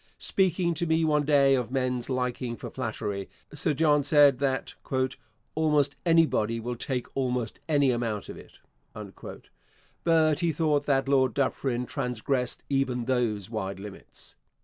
Speaking to me one day of men's liking for flattery, Sir John said that 'almost anybody will take almost any amount of it,' but he thought that Lord Dufferin transgressed even those wide limits.